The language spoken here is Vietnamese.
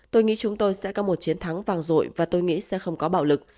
tôi nghĩ chúng tôi sẽ có một chiến thắng vàng rội và tôi nghĩ sẽ không có bạo lực